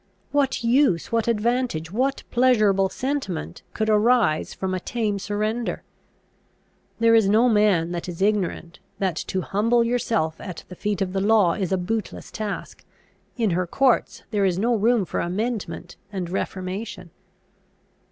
What use, what advantage, what pleasurable sentiment, could arise from a tame surrender? There is no man that is ignorant, that to humble yourself at the feet of the law is a bootless task; in her courts there is no room for amendment and reformation.